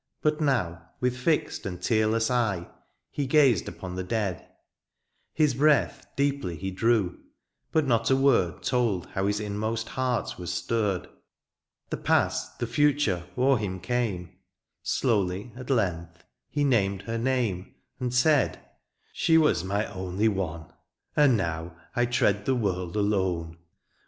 But now with fixed and tearless eye, He gazed upon the dead — ^his breath Deeply he drew, but not a word Told how his inmost heart was stirred. The past, the future, o'er him came — Slowly at length he named her name. And said, ^^ She was my only one, ^^ And now I tread the world alone